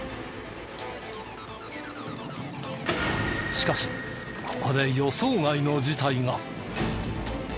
しかしここで予想外の事態が。